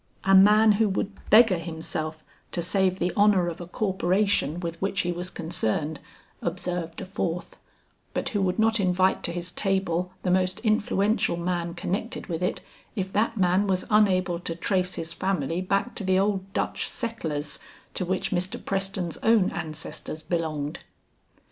"A man who would beggar himself to save the honor of a corporation with which he was concerned," observed a fourth "but who would not invite to his table the most influential man connected with it if that man was unable to trace his family back to the old Dutch settlers to which Mr. Preston's own ancestors belonged."